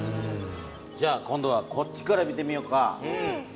じゃあ今度はこっちから見てみようか。